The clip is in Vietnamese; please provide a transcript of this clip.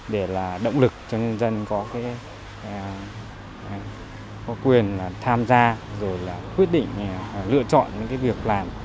để động lực cho nhân dân có quyền tham gia rồi quyết định lựa chọn những việc làm